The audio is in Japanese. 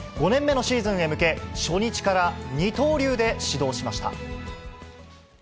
５年目のシーズンへ向け、初日から二刀流で始動しました。